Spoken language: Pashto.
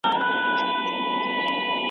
خپله نېکمرغي په خپل هیواد کي لټوه.